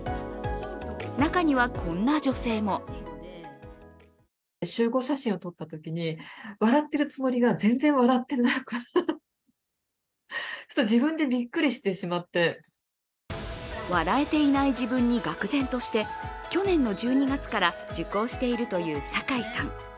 中には、こんな女性も笑えていない自分にがく然として去年の１２月から受講しているという坂井さん。